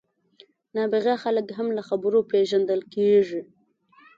نابغه خلک هم له خبرو پېژندل کېږي.